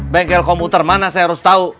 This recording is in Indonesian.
bengkel komputer mana saya harus tau